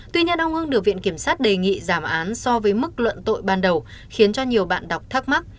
tuy nhiên ông hưng được viện kiểm sát đề nghị giảm án so với mức luận tội ban đầu khiến cho nhiều bạn đọc thắc mắc